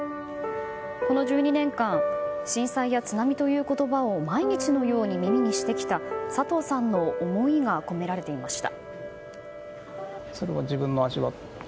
この１２年間震災や津波という言葉を毎日のように耳にしてきた佐藤さんの思いが込められていました。